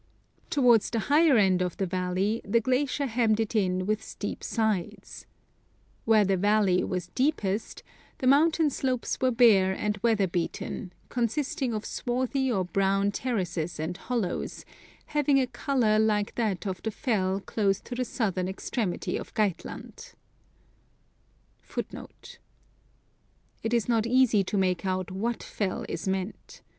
To wards the higher end of the valley, the glacier hemmed it in with steep sides. Where the valley was deepest, the mountain slopes were bare and weather beaten, consisting of swarthy or brown terraces and hollows, having a colour like that of the fell close to the southern extremity of Geit land.